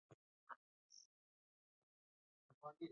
Idhaa ya Kiswahili yaadhimisha miaka sitini ya Matangazo